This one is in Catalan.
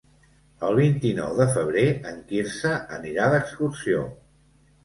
El vint-i-nou de febrer en Quirze anirà d'excursió.